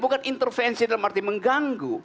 bukan intervensi dalam arti mengganggu